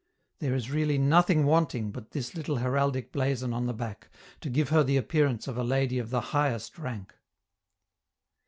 There is really nothing wanting but this little heraldic blazon on the back to give her the appearance of a lady of the highest rank.